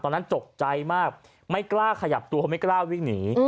ตอนนั้นตกใจมากไม่กล้าขยับตัวไม่กล้าวิ่งหนี